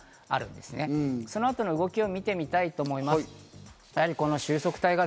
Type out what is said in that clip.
そのあとの動きを見てみたいと思います。